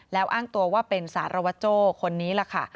แล้วอ้างตัวว่าเป็นสารวัตโจ้คนนี้ล่ะค่ะ